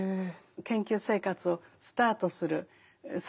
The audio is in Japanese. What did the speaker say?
研究生活をスタートする最初の時に